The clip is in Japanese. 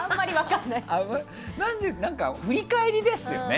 振り返りですよね？